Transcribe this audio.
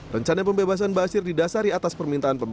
rencana pembebasan bashir didasari atas permintaan pemerintah